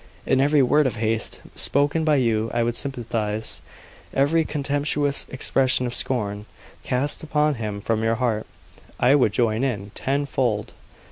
"In every word of hate spoken by you I would sympathize; every contemptuous expression of scorn, cast upon him from your heart, I would join in, tenfold."